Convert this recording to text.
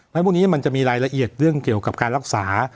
พวกนี้มันจะมีรายละเอียดเรื่องเกี่ยวกับการรักษา